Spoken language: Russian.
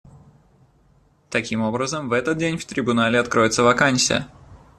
Таким образом, в этот день в Трибунале откроется вакансия.